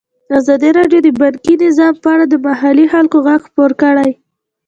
ازادي راډیو د بانکي نظام په اړه د محلي خلکو غږ خپور کړی.